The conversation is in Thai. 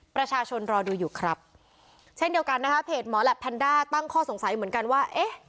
ประชาชนรอดูอยู่ครับเช่นเดียวกันนะคะเพจหมอแหลปแพนด้าตั้งข้อสงสัยเหมือนกันว่าเอ๊ะ